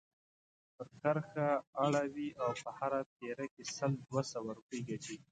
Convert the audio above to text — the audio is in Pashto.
پر کرښه اړوي او په هره پيره کې سل دوه سوه روپۍ ګټي.